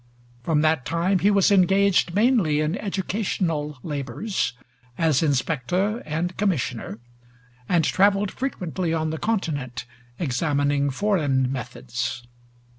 From that time he was engaged mainly in educational labors, as inspector and commissioner, and traveled frequently on the Continent examining foreign methods.